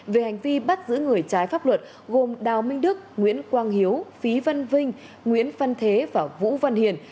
về hành vi bắt giữ người trái pháp luật gồm đào minh đức nguyễn quang hiếu phí văn vinh nguyễn phân thế và vũ văn hiền